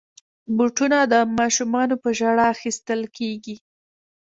بوټونه د ماشومانو په ژړا اخیستل کېږي.